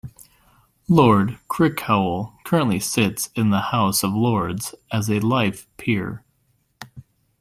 Lord Crickhowell currently sits in the House of Lords as a life peer.